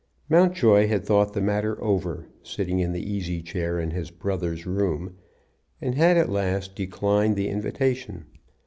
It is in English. Mountjoy had thought the matter over, sitting in the easy chair in his brother's room, and had at last declined the invitation.